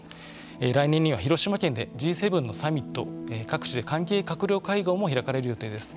来年には広島県でＧ７のサミット各地で関係閣僚会合も開かれる予定です。